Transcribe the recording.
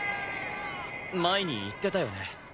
前に言ってたよね。